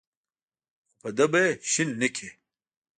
خو په ده به یې شین نکړې.